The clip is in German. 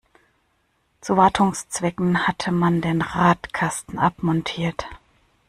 Zu Wartungszwecken hatte man den Radkasten abmontiert.